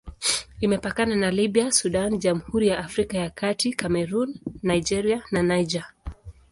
Imepakana na Libya, Sudan, Jamhuri ya Afrika ya Kati, Kamerun, Nigeria na Niger.